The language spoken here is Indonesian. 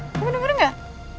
kamu denger gak